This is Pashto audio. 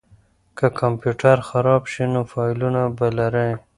که کمپیوټر خراب شي نو فایلونه به لرئ.